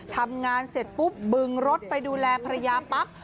ทำงานเสร็จปุ๊บบึงรถไปดูแลภรรยาปั๊บ